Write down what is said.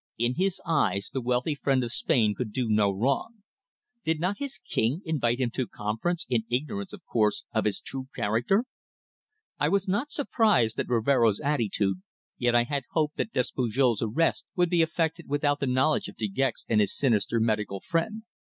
In his eyes the wealthy friend of Spain could do no wrong. Did not his King invite him to conference, in ignorance, of course, of his true character? I was not surprised at Rivero's attitude, yet I had hoped that Despujol's arrest would be effected without the knowledge of De Gex and his sinister medical friend.